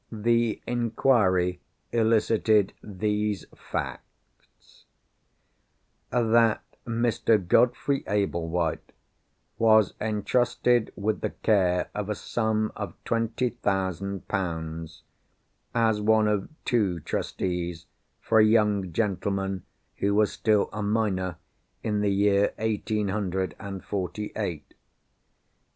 The inquiry elicited these facts:— That Mr. Godfrey Ablewhite was entrusted with the care of a sum of twenty thousand pounds—as one of two Trustees for a young gentleman, who was still a minor in the year eighteen hundred and forty eight.